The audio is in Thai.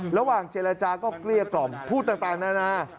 ระหว่างเจรจาก็เกลี้ยกล่อมพูดต่างนานา